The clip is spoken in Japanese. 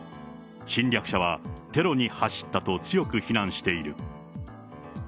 侵略者はテロに走ったと強く非難している。